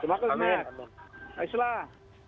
terima kasih pak islah